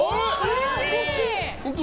うれしい！